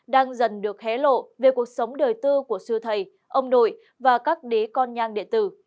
đang dần được hé lộ về cuộc sống đời tư của sư thầy ông nội và các đế con nhang đệ tử